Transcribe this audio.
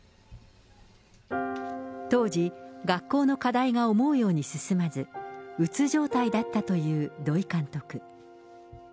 当時、学校の課題が思うように進まず、うつ状態だったという土居監督。